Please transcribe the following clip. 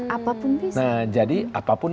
apapun nah jadi apapun